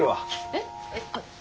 えっ？